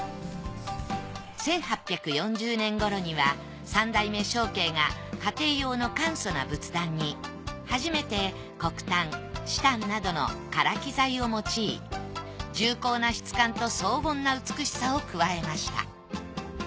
１８４０年頃には３代目松慶が家庭用の簡素な仏壇に初めて黒檀・紫檀などの唐木材を用い重厚な質感と荘厳な美しさを加えました。